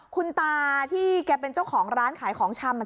คุณตาที่แกเป็นเจ้าของร้านขายของชำ